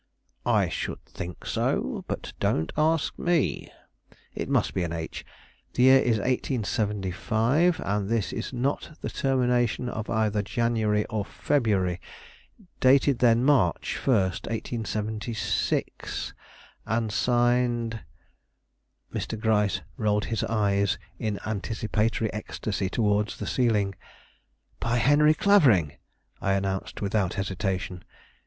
"I should think so; but don't ask me." "It must be an h. The year is 1875, and this is not the termination of either January or February. Dated, then, March 1st, 1876, and signed " Mr. Gryce rolled his eyes in anticipatory ecstasy towards the ceiling. "By Henry Clavering," I announced without hesitation.